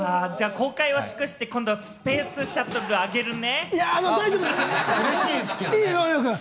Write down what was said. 公開を祝して今度はスペースシャトルをあげるね。